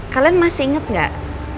kalian masih inget gak